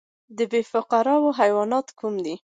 بې فقاریه حیوانات کوم دي؟